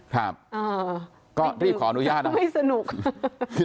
ครับก็รีบขอนุญาตนะไม่สนุกไม่ดื่ม